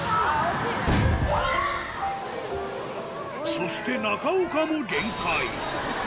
そして中岡も限界